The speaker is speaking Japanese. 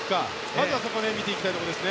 まずはそこを見ていきたいところです。